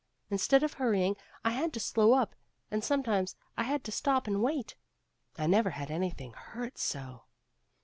Instead of hurrying I had to slow up, and sometimes I had to stop and wait. I never had anything hurt so."